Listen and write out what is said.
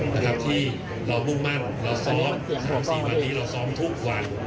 นะครับที่เรามุ่งมั่นเราซ้อมวันนี้เราซ้อมทุกวัน